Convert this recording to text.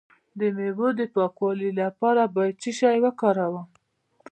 د میوو د پاکوالي لپاره باید څه شی وکاروم؟